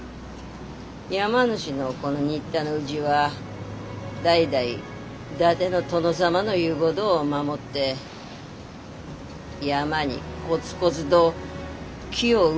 山主のこの新田の家は代々伊達の殿様の言うごどを守って山にコツコツど木を植えできた家だった。